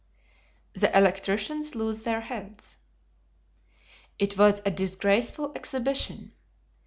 The Electricians Lose Their Heads. It was a disgraceful exhibition.